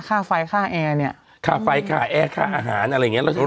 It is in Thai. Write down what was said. ค่าไฟค่าแอร์เนี้ยค่าไฟค่าแอร์ค่าอาหารอะไรอย่างเงี้ย